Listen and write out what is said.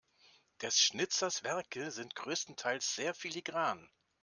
Des Schnitzers Werke sind größtenteils sehr filigran.